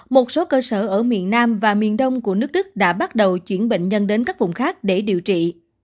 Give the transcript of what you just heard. một số cơ sở ở miền nam và miền đông của nước đức đã bắt đầu chuyển bệnh nhân đến các vùng khác để điều trị